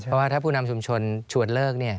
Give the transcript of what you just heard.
เพราะว่าถ้าผู้นำชุมชนชวนเลิก